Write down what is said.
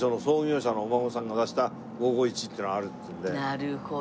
なるほど。